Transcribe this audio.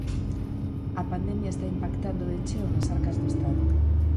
A pandemia está impactando de cheo nas arcas do Estado.